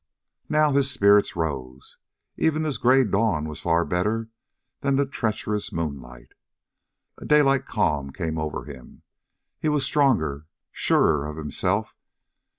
Now his spirits rose. Even this gray dawn was far better than the treacherous moonlight. A daylight calm came over him. He was stronger, surer of himself.